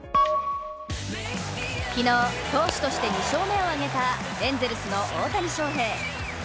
昨日、投手として２勝目を挙げたエンゼルスの大谷翔平。